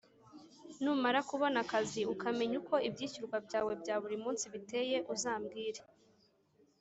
Numara kubona akazi ukamenya uko ibyishyurwa byawe bya buri munsi biteye uzambwire